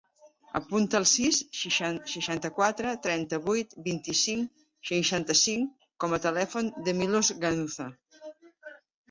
Apunta el sis, seixanta-quatre, trenta-vuit, vint-i-cinc, seixanta-cinc com a telèfon del Milos Ganuza.